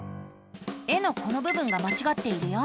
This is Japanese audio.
絵のこのぶぶんがまちがっているよ。